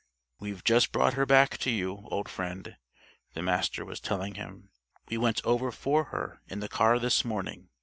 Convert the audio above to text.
_ "We've just brought her back to you, old friend," the Master was telling him. "We went over for her in the car this morning.